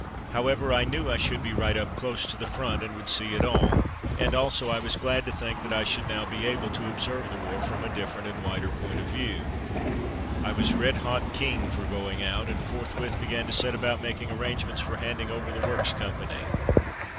However, I knew I should be right up close to the front, and would see it all, and also I was glad to think that I should now be able to observe the war from a different and wider point of view. I was red hot keen for going out, and forthwith began to set about making arrangements for handing over the Works company.